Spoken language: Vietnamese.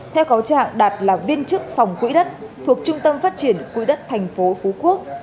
theo cáo trạng đạt là viên chức phòng quỹ đất thuộc trung tâm phát triển quỹ đất tp phú quốc